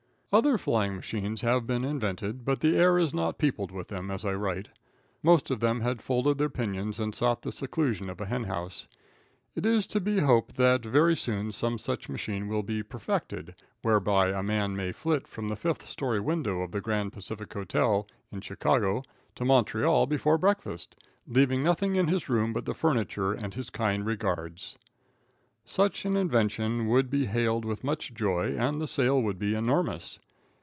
Other flying machines have been invented, but the air is not peopled with them as I write. Most of them have folded their pinions and sought the seclusion of a hen house. It is to be hoped that very soon some such machine will be perfected, whereby a man may flit from the fifth story window of the Grand Pacific Hotel, in Chicago, to Montreal before breakfast, leaving nothing in his room but the furniture and his kind regards. Such an invention would be hailed with much joy, and the sale would be enormous.